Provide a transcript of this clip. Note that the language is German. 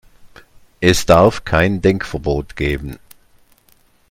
Es darf kein Denkverbot geben.